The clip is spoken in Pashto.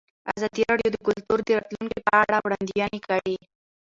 ازادي راډیو د کلتور د راتلونکې په اړه وړاندوینې کړې.